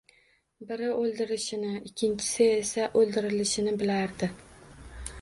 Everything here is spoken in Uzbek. Biri o`ldirishini, ikkinchisi esa o`ldirilishini bilardi